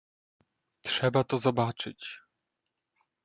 "Trzeba to zobaczyć."